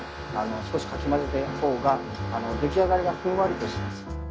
少しかき混ぜた方が出来上がりがふんわりとします。